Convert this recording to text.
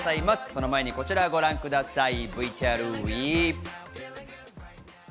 その前にこちらをご覧ください、ＶＴＲＷＥ！